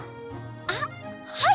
あっはい！